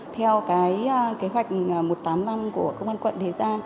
theo cái kế hoạch một mươi tám năm của công an quận đề ra